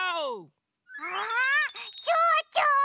わあちょうちょ！